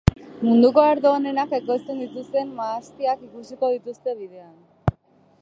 Munduko ardo onenak ekoizten dituzten mahastiak ikusiko dituzte bidean.